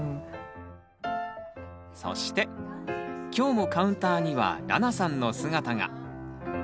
そして今日もカウンターにはらなさんの姿が。